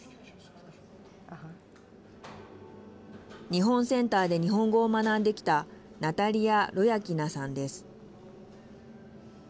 日本センターで日本語を学んできたナタリア・ロヤキナさんです。